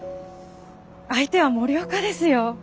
相手は森岡ですよ。